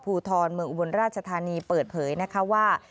ภูทรเมืองอุบลราชธานีเปิดเผยนะคะว่า